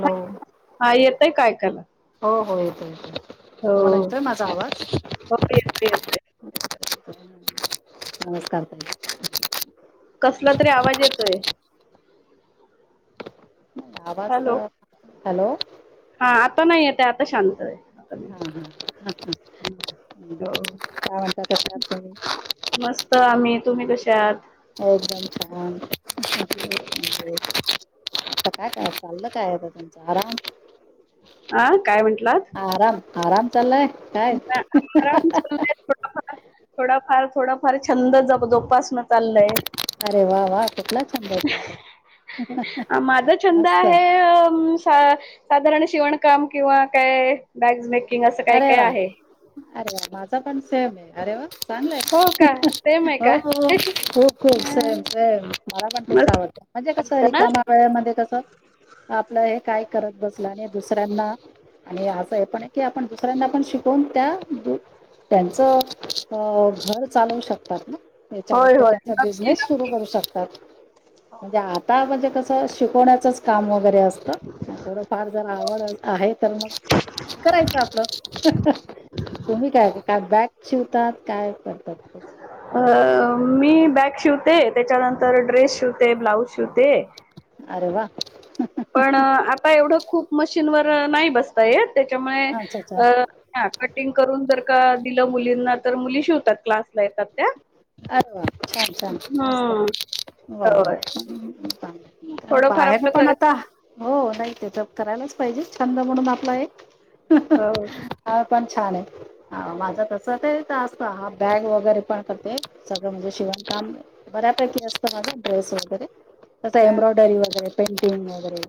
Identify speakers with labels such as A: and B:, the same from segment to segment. A: हो
B: हा येतय काय ऐकायला
A: हो हो येतोय येतोय. तुम्हाला
B: हो
A: येतोय माझा आवाज?
B: हो येतोय येतोय
A: नमस्कार. ताई
B: कसला तरी आवाज येतोय.
A: आवाज
B: हॅलो
A: तर हॅलो.
B: हा आता नाहीय आहेेत आता शांत आहे. आता नाही
A: हा हा.
B: हो
A: काय म्हणतात कशा आहात तुम्ही?
B: मस्त आम्ही तुम्ही कसे आहात
A: एकदम छान. म्हणजे
B: [unintelligible]
A: आता काय काय चाललं काय ता आरामात.
B: हं काय म्हटलात?
A: आराम चाललाय. काय
B: आरामला थोडफार थोडाफार थोडा फार छंद ज जोपासन. चाललंय
A: अरे वा वा कुठला छंद आहे तुमचा?
B: माझा छंद
A: मस्त
B: आहे, [unintelligible] साधारण शिवणकाम किंवा काय बॅगस मेकिंग असं काय
A: अरे
B: काय
A: वा
B: आहे.
A: अरे वा माझा पण सेम आहे अरे वा. चांगलंय
B: हो का सेम आहे
A: हो
B: का
A: हो खूप खूप
B: हा,
A: सेम सेम मला पण तेच आवडत, म्हणजे कसं
B: मस्त हा?
A: रिकामा वेळेमध्ये कसं आपलं हे काय करत बसला आणि दुसऱ्यांना आणि असं हे पण की पण दुसऱ्यांना आपण शिकवून त्या त्यांचं अ घर चालवू शकतात ना? याच्यावर
B: होय होय
A: त्यांचा
B: नक्की नक्की.
A: बिझनेस सुरू करू शकतात, म्हणजे आता म्हणजे कस शिकवण्याचच काम वगैरे असतं थोडं फार जर आवड आहे तर मग करायचं तुम्ही काय काय बॅग चिवतात काय करतात?
B: अ मी बॅग शिवते त्याच्यानंतर ड्रेस शिवते ब्लाउज शिवते.
A: अरे वा
B: पण आता एवढं खूप मशीनवर नाही बसता येत. त्याच्यामुळे
A: अच्छा अच्छा
B: कटिंग करून. दिलं मुलींना तर मुली शिवतात क्लासला येतात त्या
A: अरे वा! छान! छान!
B: हम्म
A: असत वा!
B: होय
A: वा! आणि
B: थोडंफार
A: बाहेर
B: आपलं
A: पण
B: कर
A: आता हो. करायलाच पाहिजे छ म्हण
B: हो
A: आप छान आहे माझं तस असता हा बॅग वगैरे पण कर. सगळं म्हणजे शिवणकाम बऱ्यापैकी असतं माझं ड्रेस वगैरे. तसं
B: हा
A: एम्ब्रॉयडरी वगैरे पेंटिंग वगैरे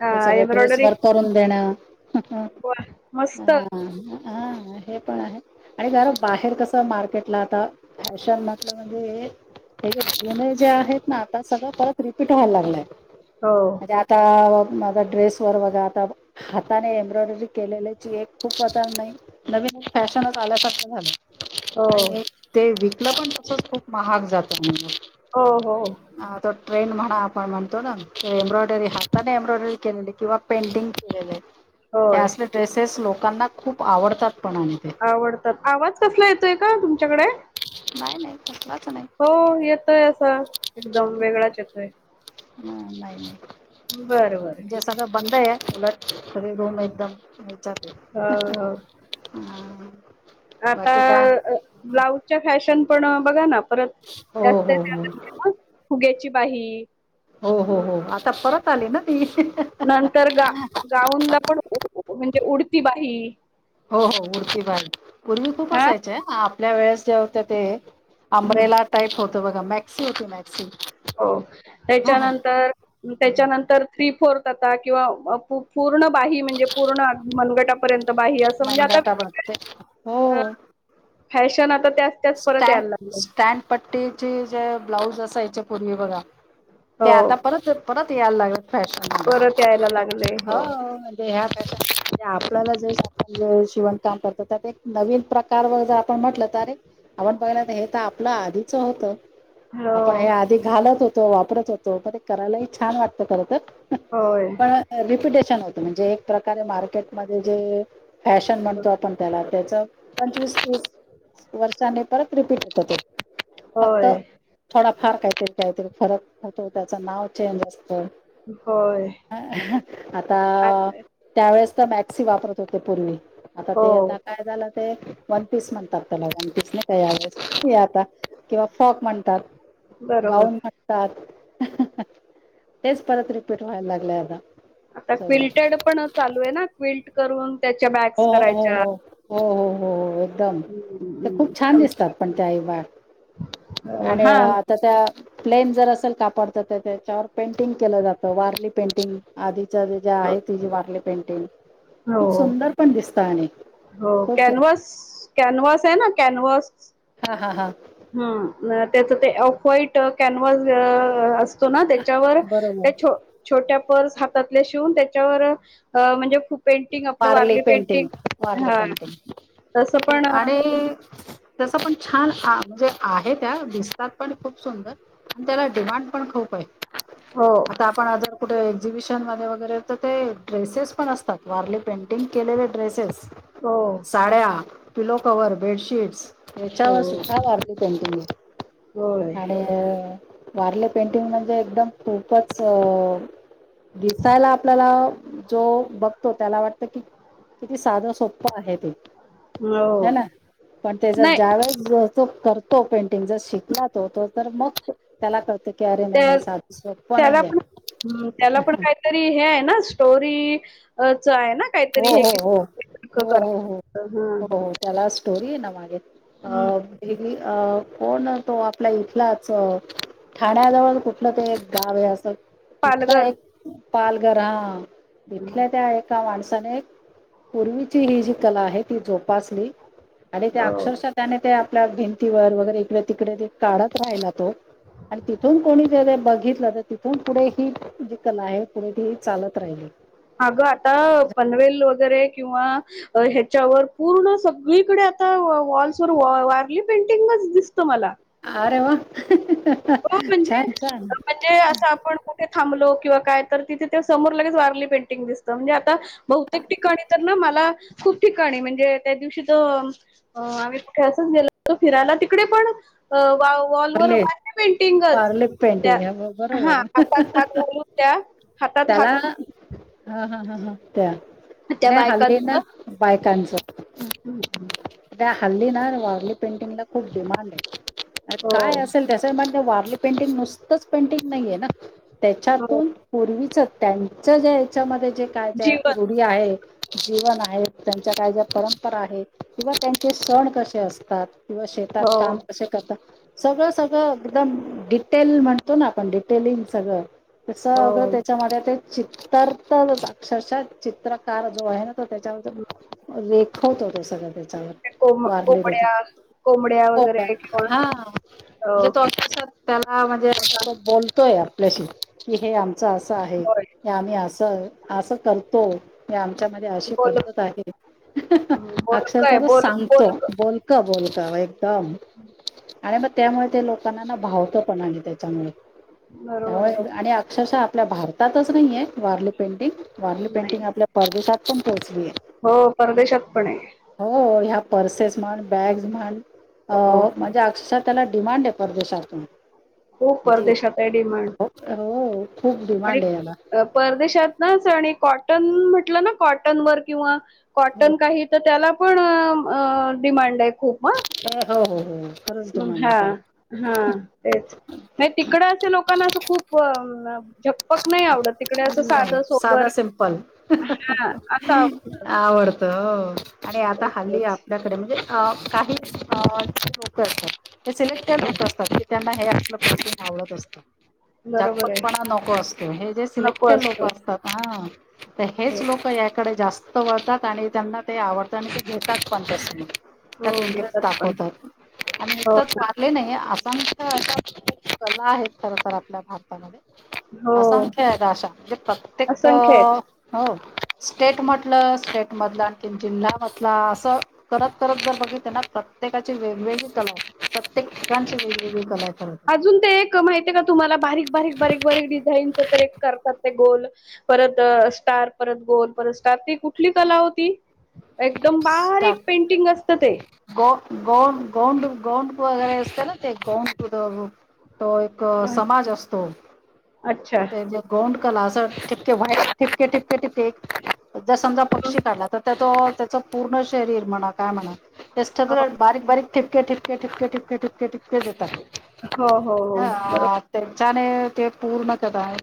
B: हा
A: हे सगळ ड्रेस
B: एम्ब्रॉयडरी
A: व करून देणं. हम ह.
B: वा मस्त
A: हा हे पण आहे आणि जर बाहेर कसं मार्केटला आता. अशन म्हटलं म्हणजे हे जुन जे आहेत ना आता सगळं परत रिपीट व्हायला लागलंय.
B: हो
A: म्हणजे आता माझ ड्रेस वर बघा आता. हाताने एम्ब्रॉयडरी केलेल्याची एक खूप पजन नाही नवीन फॅशनच आल्यासारखं झालं.
B: हो.
A: आणि ते विकलं पण तसच खूप महाग जातं म्हण.
B: हो हो.
A: ट्रेंड म्हणा आपण म्हणतो ना एम्ब्रॉयडरी हाताने एम्ब्रॉयडरी केलेली किंवा पेंटिंग केलेले. हे
B: होय
A: असले ड्रेसेस लोकांना खूप आवडतात पणा आणि ते
B: आवडतात आवाज कसला येतोय का तुमच्याकडे?
A: नाही नाही कसलाच नाही
B: हो येतोय असा एकदम वेगळाच येतोय.
A: ह नाही नाही
B: बरं बरं
A: म्हणजे
B: ठीक आहे.
A: सगळं बंद आहे उलट सगळे रूम एकदम. विच
B: हो हो
A: हम.
B: आता ब्लाउजच्या फॅशन पण बघा ना परत
A: हो
B: जास्त
A: हो हो
B: फुग्याची बाही.
A: हो हो हो आता परत आले ना ती.
B: नंतर गा गाऊनला पण म्हणजे उडती बाही.
A: हो हो उरती पण पूर्वी खूप
B: हा
A: असायचे आपल्या वेळेस ज ते अंब्रेला टाईप होत बघा मॅक्सी होती मा
B: हो त्याच्यानंतर त्याच्यानंतर ्री. फत किंवा पूर्ण बा म्हणजे पूर्ण मनगटा म्हण
A: मनगटा बघते
B: आ
A: स्टँ स्टँड पट्टीची जे ब्लाऊज असायच्या पूर्वी बघा. ते आता
B: हो
A: परत परत यायला लागत फॅशन मध्ये.
B: परत यायला लागले हो
A: बस. आपल्याला जे शिवणकाम करतात त्यात एक नवीन प्रकार वगर आपण म्हटलं तर एक. आपण बघला हे तर आपलं आधीच होत
B: हो
A: आपण हे आधी घालत होतो. त होतो करायला छ वाटत खर.
B: होय
A: होत म्हणजे एक प्रकारे मार्केटमध्ये जे फॅशन म्हणतो आपण त्या त्याच. पंचवीस तीस. वर्षाने परत रिपीट होत ते फक्त
B: होय
A: थोडा फार काय. काहीतरी फरक होतो त्याचं नाव चेंज असतो.
B: होय
A: हो आता
B: अच्छा
A: त्यावेेळेस. मॅक्सी वापरत होते पूर्वी आता
B: हो
A: ते आता काय झालं ते वन पीस म्हणतात. त्याला म्हणतीच नाही काहीवेस आता. किंवा फॉक म्हणतात
B: बरोबर
A: गाऊन म्हणतात. तेच परत रिपीट व्हायला लागलंय आता.
B: आता
A: सगळं
B: क्विल्टेड पण चालू आहे ना क्विल्ट करून त्याच्या
A: हो
B: बॅग्स
A: हो
B: करायच्या.
A: हो हो हो हो हो एकदम ते खूप छान दिसतात पण त्या आईबाग. आणि
B: हा
A: आता त्या प्लेन जर अस. काय त्याच्यावर पेंटिंग केलं जात वारली पेंटिंग आधीच ज्या आहे ती वार पेंटिंग. खूप सुंदर पण दिसतं आणि
B: हो-हो
A: खूप सुंदर
B: कॅनवस कॅनव्हाॅस आहे ना कॅनव्हाॅस.
A: हा-हा
B: हं म त्याच ते ऑफ व्हाईट कॅनव्हाॅस अस. तो ना त्याच्यावर त्या
A: बरोबर
B: छो-छोट्या पर्स हातातल्या शिवून त्याच्यावर अं म्हणजे खूप पेंटिंग आपलं
A: वारर्ल
B: वारली
A: पेंटिंग वारली
B: हा तसं
A: पेंटिंग
B: पण
A: आणि त्याचा पण छान आ म्हणजे आहे त्या दिसतात पण खूप सुंदर आणि त्याला डिमांड पण खूप आहे
B: हो
A: आता आपण जर कुठे एक्झिबिशनमध्ये वगैरे तर ते ड्रेसेस पण असतात वारली पेंटिंग केलेले ड्रेसेस.
B: हो
A: साड्या, पिलो कवर, बेडशीटस
B: हो
A: याच्यावर सुध्दा वारली पेंटींग
B: होय
A: हे आणि अं वारले पेंटिंग म्हणजे एकदम खूपच अ दिसायला आपल्याला जो बघ तो त्याला वाटत कि किती साधं सोप्पं आहे ते.
B: हो
A: हे ना पण ते जर
B: नाही
A: ज्यावेेळेस जस करतो पेंटिंग जर शिकला. तो तर-तर मग त्याला कळत की अरे नाही
B: त्या
A: हे साध सोप्प
B: त्याला
A: नाहीये.
B: पण त्याला पण काहीतरी हे आहे ना स्टोरी आहे ना
A: हो
B: काहीतरी
A: हो हो हो
B: करा
A: हो हो हो
B: हं-हं.
A: हो त्याला स्टोरी आहे ना मागे अं कोण अं तो आपला इथलाचं ठाण्याजवळ कुठलं ते गाव आहे असं. इथला
B: पालघर
A: एक पालघर हा तिथल्या त्या एका माणसा त्याने पूर्वीची ही जी कला आहे ती जोपासली. आणि त्या
B: हो
A: अक्षरशा त्याने ते आपल्या भिंतीवर वगैरे इकडे तिकडे ते काढत राहिला तो. आणि तिथून कोणी जर बघितलं त तिथून पुढे ही जी कला आहे पुढे ती चालत राहिली.
B: अगं आता पनवेल वगैरे किंवा ह्याच्यावर पूर्ण सग्गळीकडे आता वॉ-वॉल्सवर वॉ वारली पेंटिंगच दिसतं मला.
A: अरे वा.
B: हो
A: छान छान
B: म्हणजे-म्हणजे असं आपण कुठे थांबलो. किंवा काय तर तिथे ते समोर लगेच वारली पेंटिंग दिसतं म्हणजे आता बहुतेक ठिकाणी तर ना मला खूप ठिकाणी म्हणजे त्या दिवशी त अं आम्ही कुठे असंच गेलो होतो फिरायला तिकडे पण अं खुप वॉ-वॉलवर
A: पारलिप पेंटिंग हं म
B: हा
A: बरोबरे
B: हातात हात घालून त्या हातात हात
A: त्याला ह ह ह ह त्या
B: त्या
A: आणि हा ल्दी ना, बायकांचं
B: हम्म - हं [inaudible]
A: त्या हल्ली नार वॉरली पेंटिंगला खूप डिमांड हे आणि
B: हो
A: काय असेल त्याचं पण वारली पेंटिंग नुसतच पेंटिंग नाहीये ना,
B: हो.
A: त्याच्यातून पूर्वीच त्यांच ज्या याच्यामध्ये, जे काय ज्या
B: जीवन.
A: रूढी आहे जीवन आहे, त्यांच्या काय ज्या परंपरा आहेत, किंवा त्यांचे सण कसे असतात. किंवा
B: हो
A: शेतात काम कसे करतात. सगळं-सगळं एकदम डिटेल म्हणतो ना, आपण डिटेलिंग सगळं
B: हो
A: सगळं त्याच्यामध्ये ते चित्तर तर साक्षरशा चित्रकार जो आहे ना, तो [unintelligible] त्याच्यावर रेखवतो तो सगळं त्या
B: ते
A: [unintelligible]
B: कोंब
A: वारली त्याची
B: कोंबड्या कोंबड्या
A: हो
B: वगैरे किंवा
A: हां
B: अ
A: म्हणजे तो अक्षर [unintelligible] त्याला म्हणजे अस
B: किंवा-
A: तो बोलतोय आपल्याशी. कि हे आमचं असं आहे,
B: होय
A: की आम्ही असं-असं करतो. हे आमच्यामध्ये अशी
B: बोल
A: पद्धत आहे
B: बोलक आहे
A: अक्षरत
B: बोल
A: सांगतो बोलक बोल [unintelligible]
B: [inaudible]
A: आणि मग त्यामुळे ते लोकांना ना भावत पण आनि त्याच्यामुळे
B: बरोबर आहे.
A: [unintelligible] आणि अक्षरशः आपल्या भारतातच नाहीे वारली पेंटिंग वारली
B: नाही.
A: पेंटिंग आपल्या परदेशात पण पोहोच
B: हो परदेशात पण आहे
A: हो ह्या पर्सेस म्हण बॅग्ज म्हण? अ [inaudible]
B: [unintelligible]
A: त्याला डिमांड आहे परदेशातून?
B: खूप परदेशात आहे डिमांड
A: [unintelligible] [unintelligible] खूप
B: आणि
A: डिमांड हाय याला?
B: परदेशातनच आणि [unintelligible] कॉटन म्हटलं ना कॉटन वर किंवा
A: हो
B: कॉटन काही तर त्याला पण अ आ डिमांड आय?
A: ह हो हो हो खरंच डिमांड आहे
B: हा
A: त्याला.
B: हा तेच नाइ तिकडं असे लोक- पन असं खूप- झप्पक नाई आवडत तिकडे असं साद
A: नाही
B: सोबर
A: साधा सिंपल
B: हा असं आवडत.
A: पडत अ आणि आता
B: तेच
A: हल्ली
B: तेच
A: आपल्याकडे मणजे काही लोक असतात ते सिलेक्ट लक असतात ते त्यांना हे आप प्रन आवडत असतात
B: बरोबर
A: झकपक
B: आहे
A: त्यांना नको असत हे जे
B: नको
A: सिलेक्टेड लोक
B: असतो
A: असतात हा. तर
B: हो
A: हेच लोक याकडे जास्त वळतात आणि त्यांना ते आवडतात आणि ते घेतात पण तस
B: हो घेतात पण हो ना,
A: [unintelligible] [unintelligible] कला आहेत खर तर आपल्या भारतामध्ये
B: हो
A: असंख्य हायत अश्या आहे का अशा म्हणजे प्रत्येक
B: असंख्य आहेत
A: हो स्टेट म [unintelligible] स्टेटमधला आणखी जिल्हामधला असं करत करत जर बघितल ना प्रत्येकाचीे वेगळी कलाय प्रत्येक ठिकाणची वेगवेगळी कला हाय?
B: अजून ते एक माहीतीय का तुम्हाला बारीक बारीक बारीक बारीक डिझाईन [unintelligible] करतात ते गोल परत स्टार परत गोल परत स्टार ती कुठली कला होती एकदम बारीक पेंटिंग असतं ते
A: ग गो गोंड गौंप वगैरे अससतल ते गऊंप दो तो एक
B: अ,
A: समाज असतो
B: अच्छा
A: ते जे गोंड कला व्हाईट टिपके टिपके टिपके जर समजा
B: हो
A: पक्षी काढला तर त्या तो? त्याच्या पूर्ण शरीर मणा काय म्हणा [unintelligible] बारीक बारीक थीपके थीपके थीपके थीपके थीपके थीपके थीपके देत आहेत
B: अ हो हो बरोबर
A: जाने ते पूर्ण कदा आहे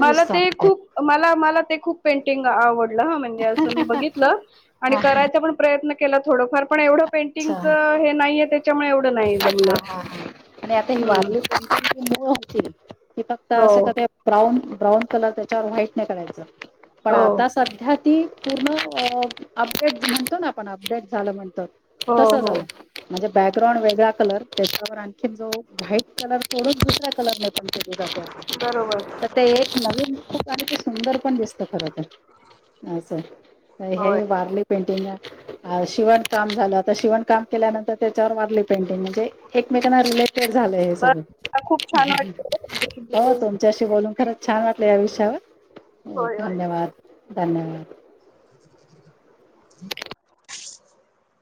B: मला ते खूप मला मला ते खूप पेंटिंग आवड- [unintelligible] मणजे असं मी बघितलं आणि
A: हा
B: करायचा पण प्रयत्न केला थोडफार पण एवढं
A: अच्छा
B: पेंटिंगच हे नाइये त्याच्यामुळे एवढं नाही
A: हा
B: जमलं अम्म
A: [unintelligible] कि फक्त असं क ब्राऊन ब्राऊन कलर त्याच्यावर व्हाईट नाइ करायचं पण
B: हो
A: आता सध्या ती पूर्ण अपडेट म्हणतो ना आपण अपडेट झालं म्हणतो?
B: हो
A: तस
B: हो
A: झालं मजे बॅकग्राऊंड वेगळा कलर त्याच्यावर आणखी जो व्हाईट कलर सोडून दुसऱ्या कलर न
B: बरोबर
A: [unintelligible] तर ते एक नवीन खूप आणि ते सुंदर पण दिसत खर तर असं हे
B: होय
A: वारले पेंटिंगा आ शिवण काम झालं आता शिवण काम केल्यानंतर? तर त्याच्यावर [unintelligible] मारली पेंटिंग मणजे एकमेकना रिलेटेड झालं हे
B: ब
A: सगळ
B: खूप छान वाटलं तुमच्याशी
A: हो
B: बोलून
A: तुमच्याशी बोलून खरंच छान वाटलं या विषय- [unintelligible] हो
B: होय होय
A: धन्यवाद धन्यवाद.
B: [inaudible]